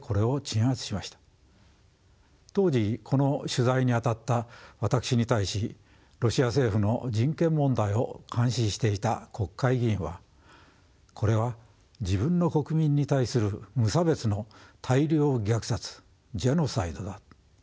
当時この取材にあたった私に対しロシア政府の人権問題を監視していた国会議員はこれは自分の国民に対する無差別の大量虐殺ジェノサイドだと。